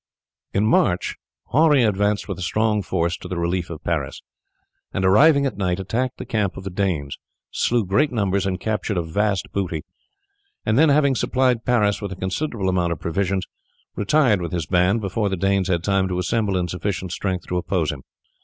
In March Henri advanced with a strong force to the relief of Paris, and arriving at night attacked the camp of the Danes, slew great numbers, and captured a vast booty; and then, having supplied Paris with a considerable amount of provisions, retired with his band before the Danes had time to assemble in sufficient strength to oppose him.